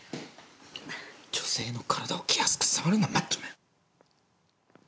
女性の体を気安く触るなマッチョめ！